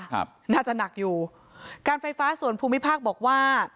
ครับน่าจะหนักอยู่การไฟฟ้าส่วนภูมิภาคบอกว่า